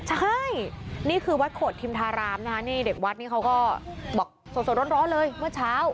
ใช่นี่คือวัดโขดทิมธารามนะคะนี่เด็กวัดนี้เขาก็บอกสดร้อนเลยเมื่อเช้า